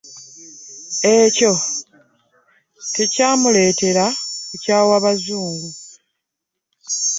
Ekyo tekyamuleetera kukyawa bazungu.